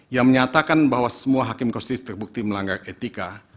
yang menyatakan bahwa semua hakim konstitusi terbukti melanggar etika